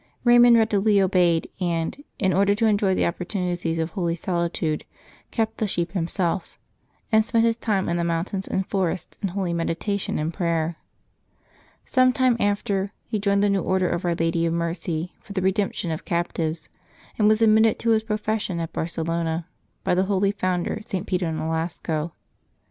Eaymund readily obeyed, and, in order to enjoy the opportunity of holy solitude, kept the sheep himself, and spent his time in the moun tains and forests in holy meditation and prayer. Some time after, he joined the new Order of Our Lady of Mercy for the redemption of captives, and was admitted to his profession at Barcelona by the holy founder, St. Peter IN'olasco.